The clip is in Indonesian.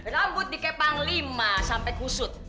rambut dikepang lima sampe kusut